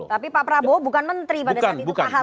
tapi pak prabowo bukan menteri pada saat itu tahapan